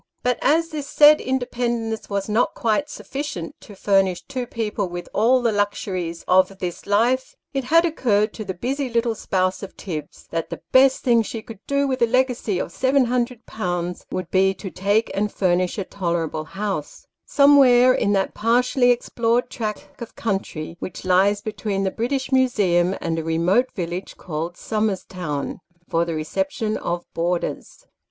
But, as this said independence was not quite sufficient to furnish two people with all the luxuries of this life, it had occurred to the busy little spouse of Tibbs, that the best thing she could do with a legacy of 700?., would be to take and furnish a tolerable house somewhere in that partially explored tract of country which lies between the British Museum, and a remote village called Somers Town for the reception of boarders.